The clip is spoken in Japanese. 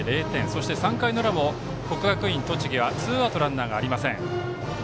そして、３回の裏も国学院栃木はツーアウト、ランナーありません。